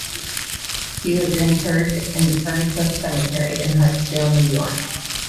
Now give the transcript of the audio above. He is interred in the Ferncliff Cemetery in Hartsdale, New York.